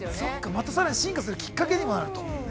◆またさらに深化するきっかけになると。